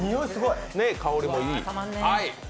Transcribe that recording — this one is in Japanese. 香りもいい。